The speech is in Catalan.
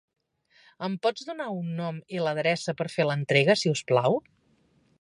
Em pots donar un nom i l'adreça per fer l'entrega, si us plau?